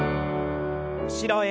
後ろへ。